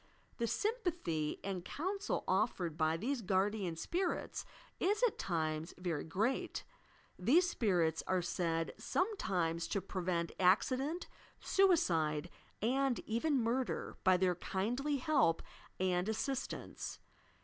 The sympathy and counsel offered by these Guardian Spirits is, at times, very great; these spirits are said sometimes to prevent accident, suicide and even murder by their kindly help and assistance.